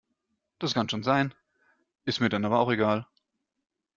Das kann schon sein, ist mir dann aber auch egal.